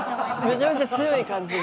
めちゃめちゃ強い感じで。